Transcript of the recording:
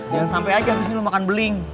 jangan sampe aja abis ini lo makan beling